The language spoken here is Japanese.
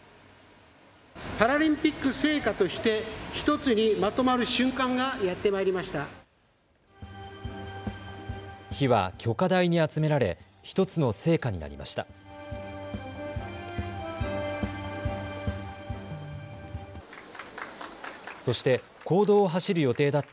火は炬火台に集められ１つの聖火になりました。